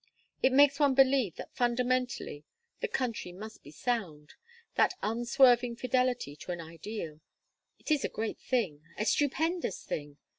It makes one believe that fundamentally the country must be sound that unswerving fidelity to an ideal. It is a great thing! a stupendous thing!